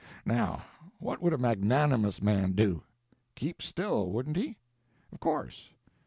Now, what would a magnanimous man do? Keep still, wouldn't he? Of course.